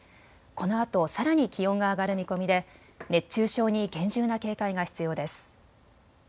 このあとさらに気温が上がる見込みで熱中症に厳重な警戒が必要です。